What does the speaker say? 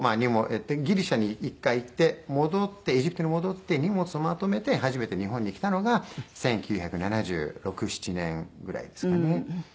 ギリシャに１回行って戻ってエジプトに戻って荷物をまとめて初めて日本に来たのが１９７６１９７７年ぐらいですかね。